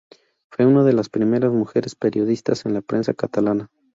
Fue una de les primeras mujeres periodistas en la prensa catalana.